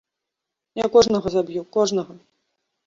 Я кожнага заб'ю, кожнага!